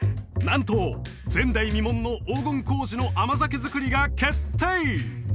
なんと前代未聞の黄金麹の甘酒づくりが決定！